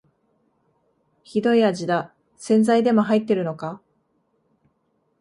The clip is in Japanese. ひどい味だ、洗剤でも入ってるのか